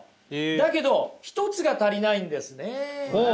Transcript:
だけど１つが足りないんですねえ。